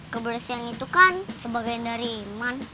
kebersihan itu kan sebagian dari iman